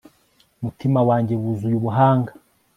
umutima wanjye wuzuye ubuhanga